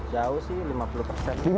jauh sih lima puluh persen